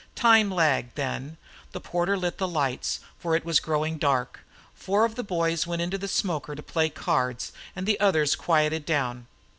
Time lagged then. The porter lit the lights, for it was growing dark; four of the boys went into the smoker to play cards, and the others quieted down.